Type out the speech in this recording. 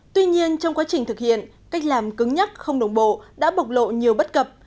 tuy nhiên trong quá trình thực hiện cách làm cứng nhắc không đồng bộ đã bộc lộ nhiều bất cập